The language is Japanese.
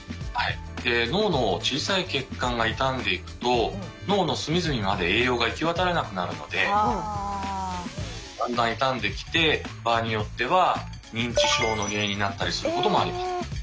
で脳の小さい血管が傷んでいくと脳の隅々まで栄養が行き渡らなくなるのでだんだん傷んできて場合によっては認知症の原因になったりすることもあります。